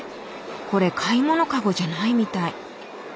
これ買い物かごじゃないみたい。